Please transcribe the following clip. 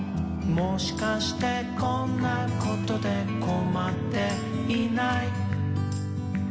「もしかしてこんなことでこまっていない？」